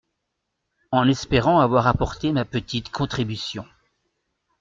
En espérant avoir apporté ma petite contribution.